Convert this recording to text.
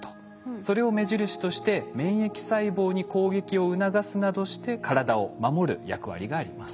それを目印として免疫細胞に攻撃を促すなどして体を守る役割があります。